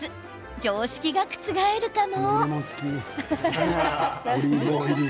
常識が覆るかも！